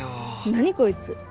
何こいつ。